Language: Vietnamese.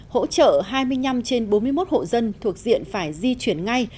hỗ trợ hai mươi năm trên bốn mươi một hộ dân thuộc diện phải di chuyển ngay